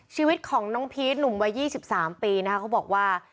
ชีวิตของน้องพีชหนุ่มวัย๒๓ปีนะคะเขาบอกว่า